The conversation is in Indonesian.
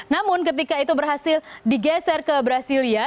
namun ketika itu berhasil digeser ke brasilia